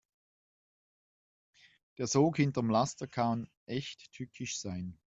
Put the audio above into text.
Der Sog hinterm Laster kann echt tückisch sein.